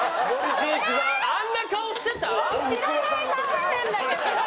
知らない顔してるんだけど！